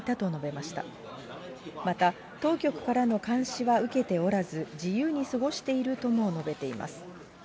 また当局からの監視は受けておらず、自由に過ごしているとも述べています。